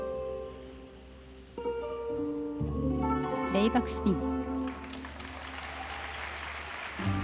レイバックスピン。